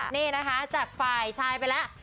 นี่นะคะจากฝ่ายชายไปแล้ว